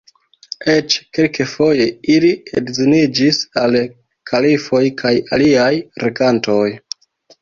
Eĉ kelkfoje ili edziniĝis al kalifoj kaj aliaj regantoj.